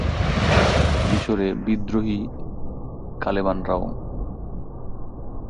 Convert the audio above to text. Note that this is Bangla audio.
মিশরে বিদ্রোহী কালেমানরাও।